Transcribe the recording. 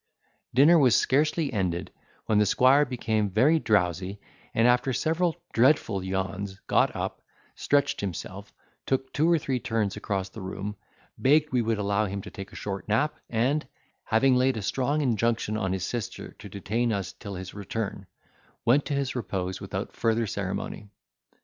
Dinner was scarcely ended, when the squire became very drowsy, and after several dreadful yawns, got up, stretched himself, took two or three turns across the room, begged we would allow him to take a short nap, and, having laid a strong injunction on his sister to detain us till his return, went to his repose without further ceremony.